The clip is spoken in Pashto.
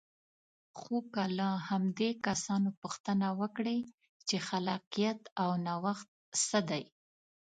خو که له همدې کسانو پوښتنه وکړئ چې خلاقیت او نوښت څه دی.